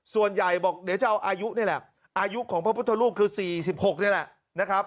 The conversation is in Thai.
ส่วนใหญ่บอกเดี๋ยวจะเอาอายุนี่แหละอายุของพระพุทธรูปคือ๔๖นี่แหละนะครับ